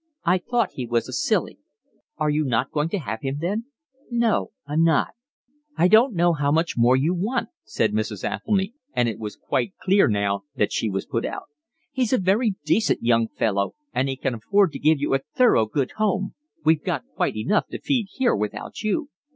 "I thought he was a silly." "Aren't you going to have him then?" "No, I'm not." "I don't know how much more you want," said Mrs. Athelny, and it was quite clear now that she was put out. "He's a very decent young fellow and he can afford to give you a thorough good home. We've got quite enough to feed here without you.